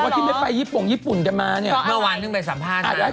ไปช่วงหน้าคุณผู้ชมค่ะย่ายเพื่อเปิดใจแล้ว